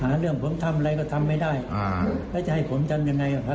หาเรื่องผมทำอะไรก็ทำไม่ได้อ่าแล้วจะให้ผลกันยังไงครับ